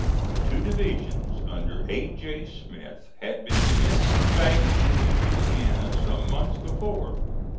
Two divisions under A. J. Smith had been sent to Banks in Louisiana some months before.